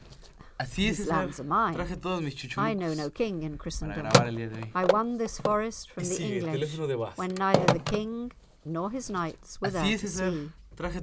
"These lands are mine. I know no King in Christendom. I won this Forest from the English when neither the King nor his knights were there to see."